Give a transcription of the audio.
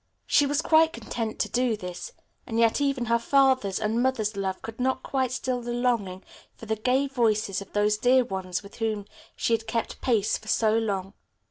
She was quite content to do this, and yet even her father's and mother's love could not quite still the longing for the gay voices of those dear ones with whom she had kept pace for so long.